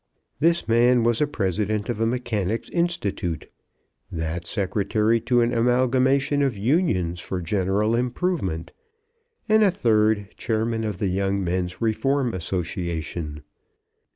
This man was president of a mechanics' institute, that secretary to an amalgamation of unions for general improvement, and a third chairman of the Young Men's Reform Association.